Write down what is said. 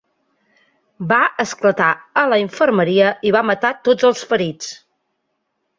Va esclatar a la infermeria i va matar tots els ferits.